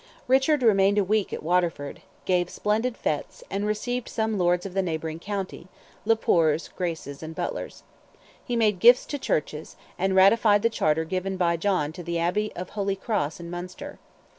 Richard remained a week at Waterford; gave splendid fetes, and received some lords of the neighbouring country, Le Poers, Graces, and Butlers. He made gifts to churches, and ratified the charter given by John to the abbey of Holy Cross in Munster.